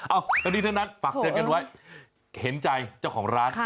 เอ้าตอนนี้เท่านั้นฝากเจ้ากันไว้เห็นใจเจ้าของร้าน